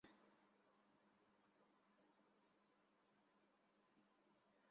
The Starjammers have often appeared in the pages of the "X-Men" comic books.